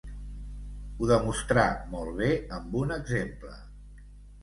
Ho demostrà molt bé amb un exemple.